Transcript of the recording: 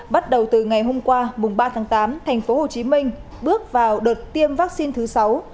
bắt đầu từ ngày hôm qua mùng ba tháng tám thành phố hồ chí minh bước vào đợt tiêm vaccine thứ sáu